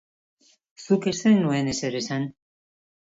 Zuk ez zenuen ezer esan.